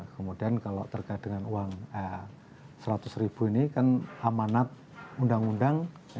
kemudian kalau terkait dengan uang seratus ribu ini kan amanat undang undang